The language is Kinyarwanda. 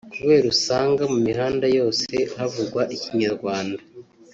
kubera usanga mu mihanda yose havugwa Ikinyarwanda